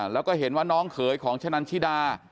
แล้วก็เห็นว่าน้องเขยของชะนันชิดา